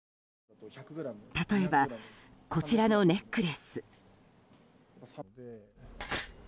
例えば、こちらのネックレス。